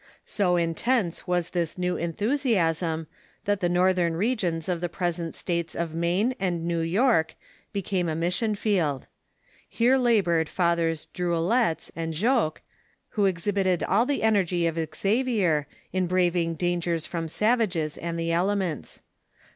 So intense was this new enthusiasm that the northern regions of the jaresent states of Maine and New York became a mission field. Here labored Fathers Druellettes and Jogues, who exhibited all the energy of Xavier in braving dangers from savages and the elements.